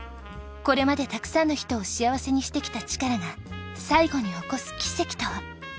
これまでたくさんの人を幸せにしてきたチカラが最後に起こす奇跡とは？